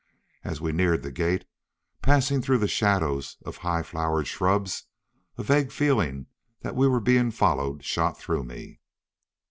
As we neared the gate, passing through the shadows of high flowered shrubs, a vague feeling that we were being followed shot through me.